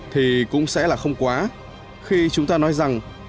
thì cũng sẽ là không quá khi chúng ta nói rằng